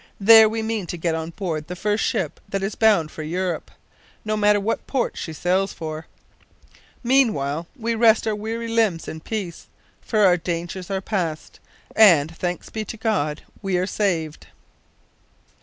There we mean to get on board the first ship that is bound for Europe no matter what port she sails for. Meanwhile we rest our weary limbs in peace, for our dangers are past, and thanks be to God we are saved."